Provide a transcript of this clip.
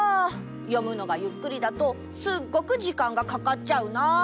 読むのがゆっくりだとすっごく時間がかかっちゃうな。